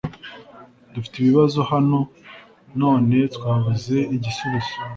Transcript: Dufite ibibazo hano none twabuze igisubizo .